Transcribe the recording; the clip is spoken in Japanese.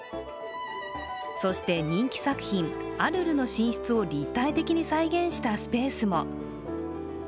そして人気作品「アルルの寝室」を立体的に再現したスペースも。